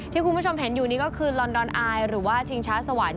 ที่คุณผู้ชมเห็นอยู่นี้ก็คือลอนดอนอายหรือว่าชิงช้าสวรรค์